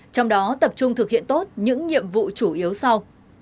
trong đó tập trung thực hiện tốt những nhiệm vụ chủ yếu sau